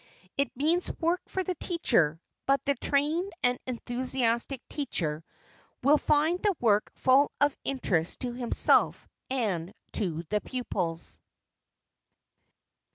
It means work for the teacher, but the trained and enthusiastic teacher will find the work full of interest to himself and to the pupils.